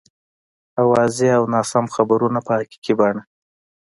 اوازې او ناسم خبرونه په حقیقي بڼه.